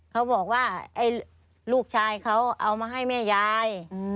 เขาบอกว่าลูกชายเขาเอามาให้แม่ยาย